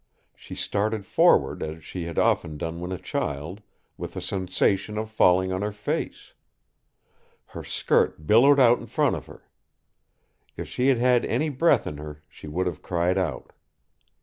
She started forward as she had often done when a child, with the sensation of falling on her face. Her skirt billowed out in front of her. If she had had any breath in her, she would have cried out.